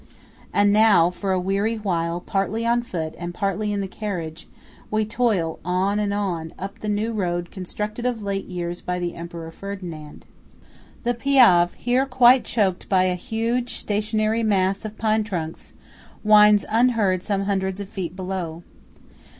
And now, for a weary while, partly on foot and partly in the carriage, we toil on and on, up the new road constructed of late years by the Emperor Ferdinand. The Piave, here quite choked by a huge, stationary mass of pine trunks, winds unheard some hundreds of feet below.